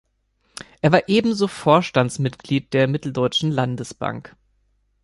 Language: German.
Er war ebenso Vorstandsmitglied der Mitteldeutschen Landesbank.